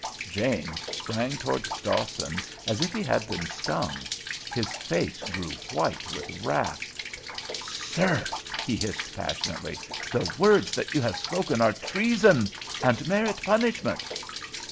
James sprang towards Dawson as if he had been stung. His face grew white with wrath. "Sir," he hissed, passionately, "the words that you have spoken are treason, and merit punishment."